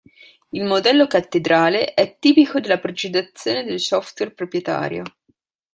Il modello cattedrale è tipico della progettazione del software proprietario.